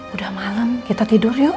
udah malam kita tidur yuk